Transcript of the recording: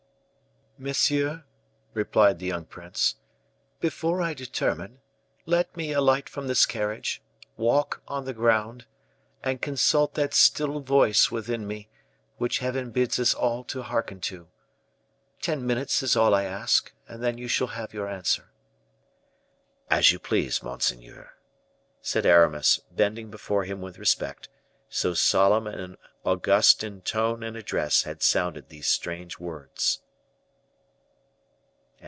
"Monsieur," replied the young prince, "before I determine, let me alight from this carriage, walk on the ground, and consult that still voice within me, which Heaven bids us all to hearken to. Ten minutes is all I ask, and then you shall have your answer." "As you please, monseigneur," said Aramis, bending before him with respect, so solemn and august in tone and address had sounded these strange words.